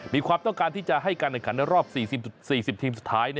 มีความต้องการที่จะให้การแข่งขันในรอบ๔๐ทีมสุดท้าย